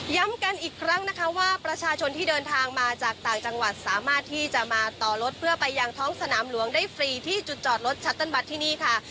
กันอีกครั้งนะคะว่าประชาชนที่เดินทางมาจากต่างจังหวัดสามารถที่จะมาต่อรถเพื่อไปยังท้องสนามหลวงได้ฟรีที่จุดจอดรถชัตเติ้ลบัตรที่นี่ค่ะ